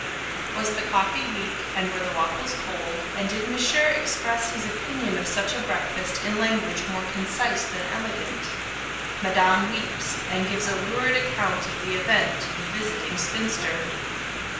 Was the coffee weak and were the waffles cold, and did Monsieur express his opinion of such a breakfast in language more concise than elegant? Madame weeps, and gives a lurid account of the event to the visiting spinster.